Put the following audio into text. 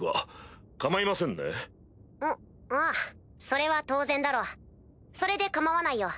それは当然だろうそれで構わないよ。